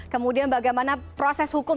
kemudian bagaimana proses hukum